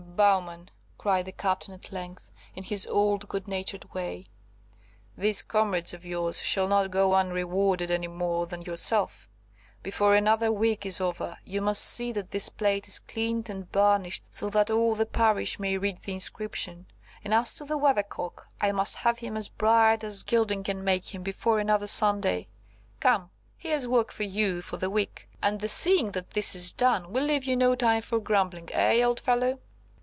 "Bowman," cried the Captain at length, in his old good natured way, "these comrades of yours shall not go unrewarded any more than yourself. Before another week is over, you must see that this plate is cleaned and burnished, so that all the parish may read the inscription; and as to the Weathercock, I must have him as bright as gilding can make him before another Sunday. Come, here's work for you for the week, and the seeing that this is done will leave you no time for grumbling, eh, old fellow?"